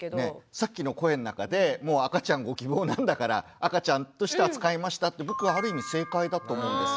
さっきの声の中でもう赤ちゃんご希望なんだから赤ちゃんとして扱いましたって僕はある意味正解だと思うんですよ。